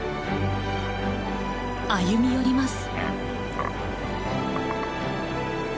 歩み寄ります。